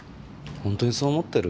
本当にそう思ってる？